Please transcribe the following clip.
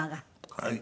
はい。